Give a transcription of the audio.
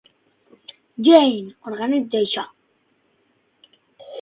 Jane, organitza això.